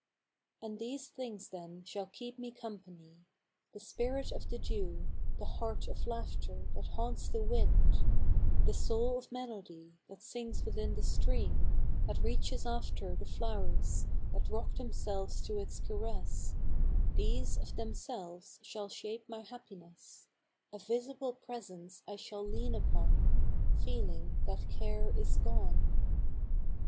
And these things then shall keep me company: The spirit of the dew; the heart of laughter That haunts the wind; the soul of melody That sings within the stream, that reaches after The flow'rs, that rock themselves to its caress: These of themselves shall shape my happiness, A visible presence I shall lean upon, Feeling that care is gone.